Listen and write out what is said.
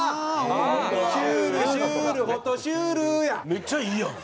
めっちゃいいやん。